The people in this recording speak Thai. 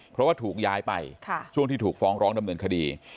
เพราะว่าถูกย้ายไปช่วงที่ถูกฟ้องร้องดำเนินคดี